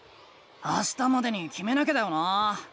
あしたまでにきめなきゃだよな？